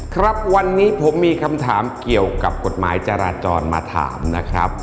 ครับวันนี้ผมมีคำถามเกี่ยวกับกฎหมายจราจรมาถามนะครับ